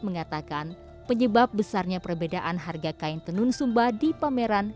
mengatakan penyebab besarnya perbedaan harga kain tenun sumba di pameran